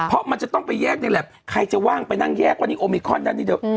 เพราะมันจะต้องไปแยกนี่แหละใครจะว่างไปนั่งแยกวันนี้โอมิคอนด้านนี้เถอะ